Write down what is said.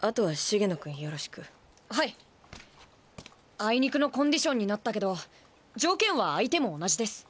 あいにくのコンディションになったけど条件は相手も同じです。